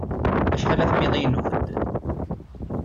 Acḥal afmiḍi n ubeddel?